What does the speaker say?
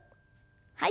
はい。